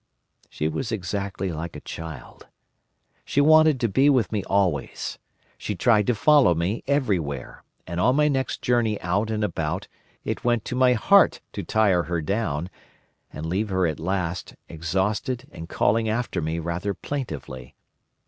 "She was exactly like a child. She wanted to be with me always. She tried to follow me everywhere, and on my next journey out and about it went to my heart to tire her down, and leave her at last, exhausted and calling after me rather plaintively.